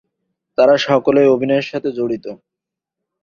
তারা সকলেই অভিনয়ের সাথে জড়িত।